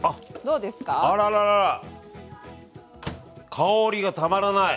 香りがたまらない。